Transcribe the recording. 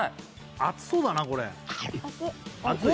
熱そうだなこれ熱い？